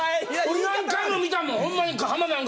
何回も見たもん。